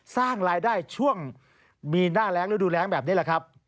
สร้างรายได้ช่วงมีหน้าแรงฤดูแรงแบบนี้แหละครับ